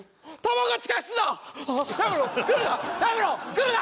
来るな！